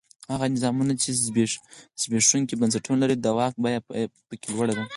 هغه نظامونه چې زبېښونکي بنسټونه لري د واک بیه په کې لوړه ده.